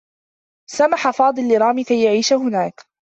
سمح فاضل لرامي كي يعيش هناك.